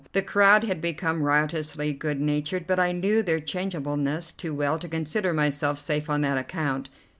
The crowd had become riotously good natured, but I knew their changeableness too well to consider myself safe on that account.